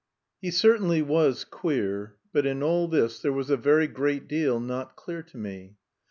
III He certainly was queer, but in all this there was a very great deal not clear to me.